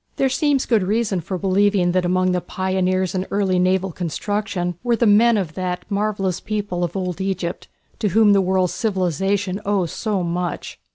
There seems good reason for believing that among the pioneers in early naval construction were the men of that marvellous people of old Egypt to whom the world's civilization owes so much.